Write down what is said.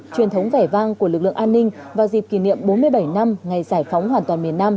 truyền thống vẻ vang của lực lượng an ninh vào dịp kỷ niệm bốn mươi bảy năm ngày giải phóng hoàn toàn miền nam